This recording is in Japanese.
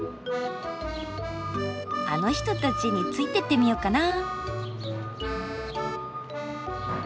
あの人たちについてってみよっかな。